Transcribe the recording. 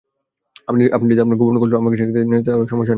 আপনি যদি আপনার গোপন কৌশল আমাকে শেখাতে না চান, তাহলে সমস্যা নেই।